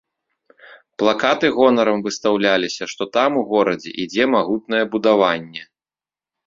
Плакаты гонарам выстаўляліся, што там у горадзе ідзе магутнае будаванне.